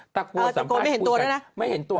ตะโกนสัมภาษณ์คุณแม่งอ่าตะโกนไม่เห็นตัวนะ